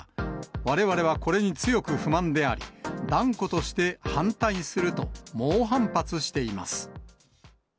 われわれはこれに強く不満であり、断固として反対すると、猛反発しています。